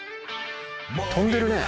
飛んでるね。